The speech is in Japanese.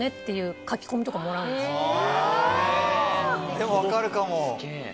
でも分かるかも。